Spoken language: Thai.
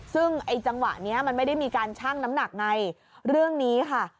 ซึ่งไอ้จังหวะเนี้ยมันไม่ได้มีการชั่งน้ำหนักไงเรื่องนี้ค่ะ